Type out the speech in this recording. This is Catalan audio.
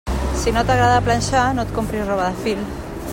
Si no t'agrada planxar, no et compris roba de fil.